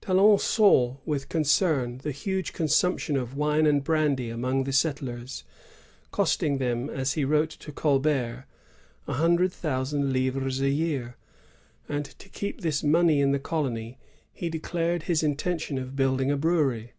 Talon saw with concern the huge consumption of wine and brandy among the settlers, costing them, as he wrote to Colbert, a hundred thousand livres a year; and to keep this money in the colony, he declared his intention of building a brewery.